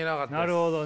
なるほどね。